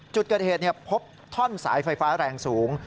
จุดเกิดเหตุพบท่อนสายไฟฟ้าแรงสูง